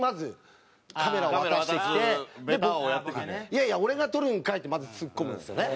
「いやいや俺が撮るんかい！」ってまずツッコむんですよね。